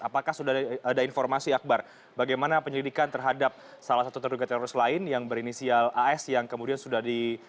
apakah sudah ada informasi akbar bagaimana penyelidikan terhadap salah satu terduga teroris lain yang berinisial as yang kemudian sudah di